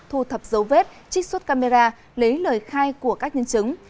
thu thập dấu vết trích xuất camera lấy lời khai của các nhân chứng